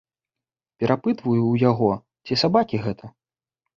Перапытваю ў яго, ці сабакі гэта?